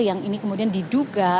yang ini kemudian diduga